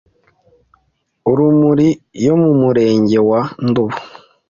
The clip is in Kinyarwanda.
Urumuri yo mu murenge wa Nduba,